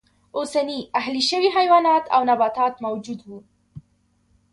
اوسني اهلي شوي حیوانات او نباتات موجود و.